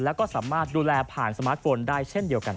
แล้วก็สามารถดูแลผ่านสมาร์ทโฟนได้เช่นเดียวกัน